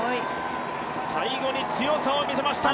最後に強さを見せました！